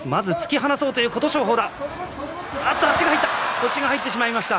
腰が入ってしまいました。